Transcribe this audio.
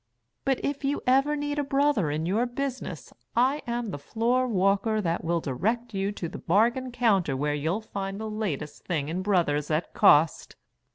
But if you ever need a brother in your business I am the floor walker that will direct you to the bargain counter where you'll find the latest thing in brothers at cost.'